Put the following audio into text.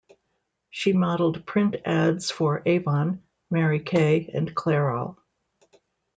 She modeled print ads for Avon, Mary Kay, and Clairol.